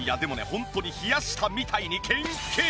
ホントに冷やしたみたいにキンキン！